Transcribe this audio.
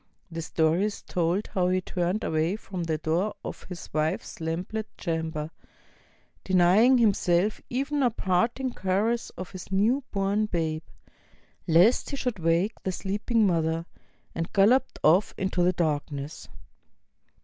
The story is told how he turned away from the door of his wife's lamplit chamber, deny ing himself even a parting caress of his new born babe, lest he should wake the sleeping mother, and galloped off into the darkness.